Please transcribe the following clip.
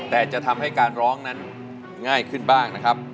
แต่จะทำให้การร้องนั้นง่ายขึ้นบ้างนะครับ